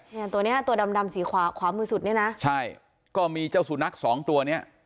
เนี่ยตัวเนี้ยตัวดำดำสีขวาขวามือสุดเนี่ยนะใช่ก็มีเจ้าสุนัขสองตัวเนี้ย